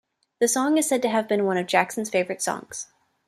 The song is said to have been one of Jackson's favorite songs.